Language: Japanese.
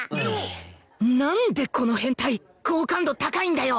なんでこの変態好感度高いんだよ！